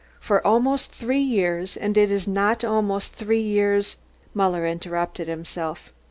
"For almost three years, and is it not almost three years " Muller interrupted himself.